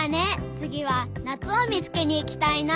つぎはなつをみつけにいきたいな！